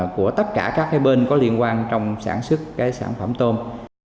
của tất cả các cái bên có liên quan trong sản xuất cái sản phẩm tôm